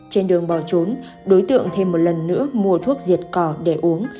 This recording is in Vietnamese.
trên đường bỏ trốn đối tượng thêm một lần nữa mua thuốc diệt cỏ để uống